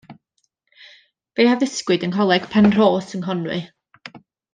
Fe'i haddysgwyd yng Ngholeg Penrhos yng Nghonwy.